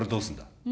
うん？